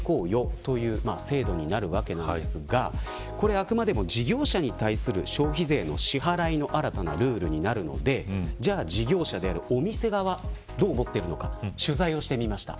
あくまでも事業者に対する消費税の支払いの新たなルールになるので事業者であるお店側はどう思っているのか取材をしてみました。